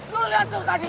lo liat tuh tadi